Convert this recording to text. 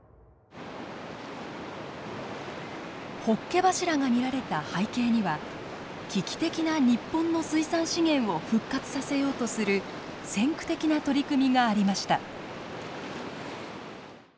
ホッケ柱が見られた背景には危機的な日本の水産資源を復活させようとする先駆的な取り組みがありました。